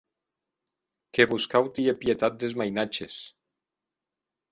Que vos cau tier pietat des mainatges.